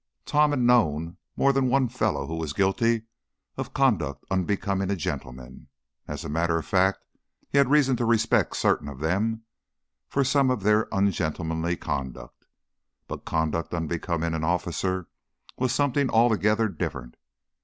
Tom had known more than one fellow who was guilty of conduct unbecoming a gentleman as a matter of fact, he had reason to respect certain of them for some of their ungentlemanly conduct but conduct unbecoming an officer was something altogether different.